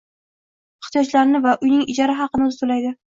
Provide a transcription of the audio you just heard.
Ehtiyojlarini va uyining ijara haqini oʻzi toʻlaydi.